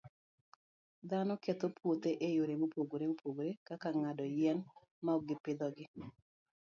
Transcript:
Dhano ketho puothe e yore mopogore opogore, kaka ng'ado yien maok gipidhogi.